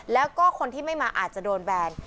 แล้วก็คนที่ไม่มาอาจจะโดนแบน